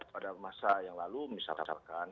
pada masa yang lalu misalkan